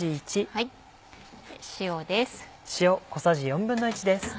塩です。